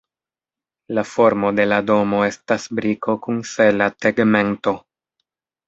La formo de la domo estas briko kun sela tegmento.